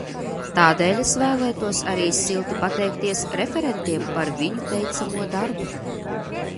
Tādēļ es vēlētos arī silti pateikties referentiem par viņu teicamo darbu.